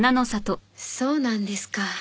そうなんですか。